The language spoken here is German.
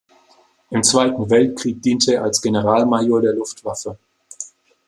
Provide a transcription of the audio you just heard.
Im Zweiten Weltkrieg diente er als Generalmajor der Luftwaffe.